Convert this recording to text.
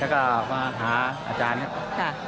แล้วก็มาทาอาจารย์เนี่ย